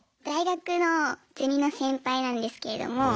大学のゼミの先輩なんですけれども。